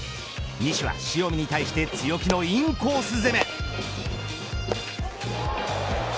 西は塩見に対して強気のインコース攻め。